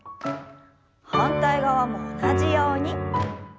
反対側も同じように。